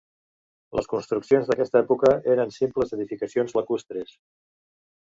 Les construccions d'aquesta època eren simples edificacions lacustres.